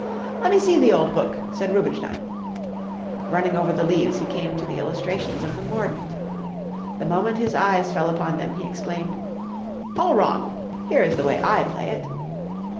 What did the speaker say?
"'Let me see the old book,' said Rubinstein. Running over the leaves he came to the illustrations of the mordent. The moment his eyes fell upon them he exclaimed: 'All wrong; here is the way I play it!'"